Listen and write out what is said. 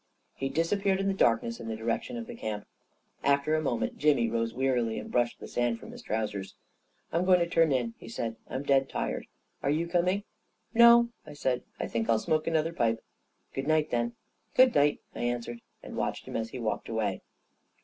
He disappeared in the darkness in the direction of the camp. After a moment Jimmy rose wearily and brushed the sand from his trousers. " I'm going to turn in," he said. " I'm dead tired. Are you coming? " 41 No," I said; " I think I'll smoke another pipe." " Good night, then." " Good night," I answered, and watched him as he walked away.